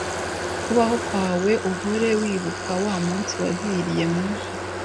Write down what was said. kubaho kwawe uhore wibuka wa munsi waviriye mu